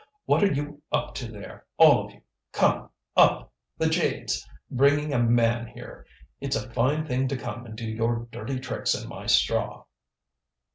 "What are you up to there, all of you? Come! up! The jades, bringing a man here! It's a fine thing to come and do your dirty tricks in my straw."